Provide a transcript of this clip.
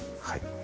はい。